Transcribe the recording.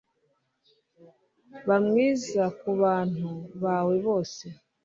Ba mwiza kubantu bawe bose